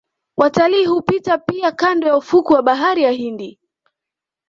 Watalii hupita pia kando ya ufukwe wa bahari ya Hindi